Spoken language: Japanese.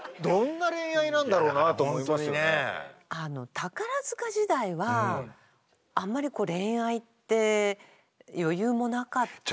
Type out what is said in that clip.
宝塚時代はあんまり恋愛って余裕もなかったですから。